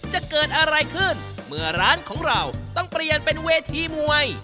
จะเกิดอะไรขึ้นเมื่อร้านของเราต้องเปลี่ยนเป็นเวทีมวย